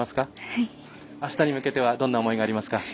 あしたに向けてどんな思いありますか。